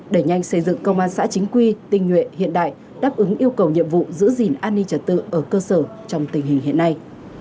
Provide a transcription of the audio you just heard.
để nhanh xây dựng công an xã chính quy tinh nhuệ hiện đại đáp ứng yêu cầu nhiệm vụ giữ gìn an ninh trật tự ở cơ sở trong tình hình hiện nay